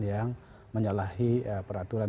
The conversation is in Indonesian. yang menyalahi peraturan